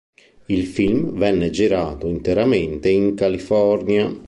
Il film venne girato interamente in California.